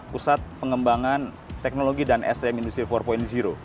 pusat pengembangan teknologi dan sdm industri empat